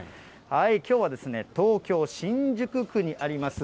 きょうは東京・新宿区にあります